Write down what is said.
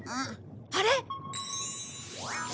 あれ！